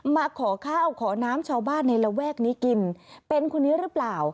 มาขอข้าวขอน้ำชาวบ้านในระแวกนี้กินเป็นคนนี้หรือเปล่า